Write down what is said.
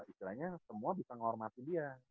istilahnya semua bisa menghormati dia